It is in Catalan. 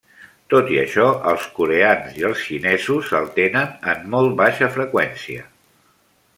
Tot i això, els coreans i els xinesos el tenen en molt baixa freqüència.